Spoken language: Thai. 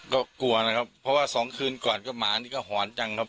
ก็กลัวนะครับเพราะว่าสองคืนก่อนก็หมานี่ก็หอนจังครับ